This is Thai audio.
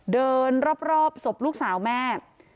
เดินรอบศพลูกสาวแม่